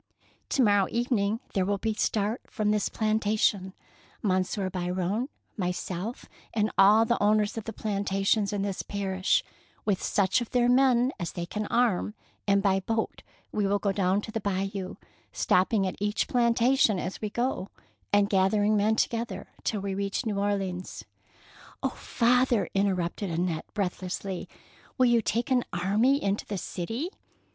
To morrow evening there will start from this plantation Monsieur Biron, myself, and all the owners of the plantations in this parish, with such of their men as they can arm, and by boat we will go down the Bayou, stopping at each plantation as we go, and gathering men together till we reach New Orleans.^' " Oh, father ! interrupted Annette, breathlessly, "will you take an army into the city?